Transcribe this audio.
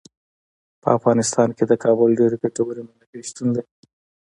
په افغانستان کې د کابل ډیرې ګټورې منابع شتون لري.